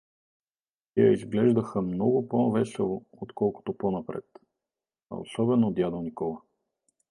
Тия изглеждаха много по-весело, отколкото по-напред, а особено дядо Никола.